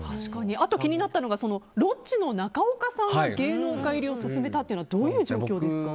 あと、気になったのがロッチの中岡さんが芸能界入りを勧めたというのはどういう状況ですか。